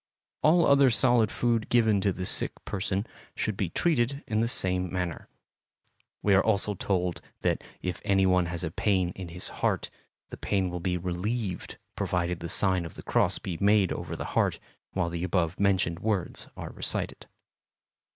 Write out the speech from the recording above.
All other solid food given to the sick person should be treated in the same manner. We are also told that if any one has a pain in his heart, the pain will be relieved provided the sign of the cross be made over the heart while the above mentioned words are recited.